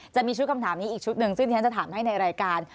จะมีชุดคำถามนี้อีกชุดหนึ่งซึ่งที่ฉันจะถามให้ในรายการ